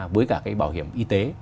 với cả bảo hiểm y tế